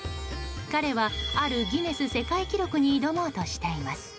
彼は、あるギネス世界記録に挑もうとしています。